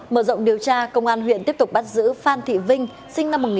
mở rộng điều tra công an huyện tiếp tục bắt giữ phan thị vinh sinh năm một nghìn chín trăm tám mươi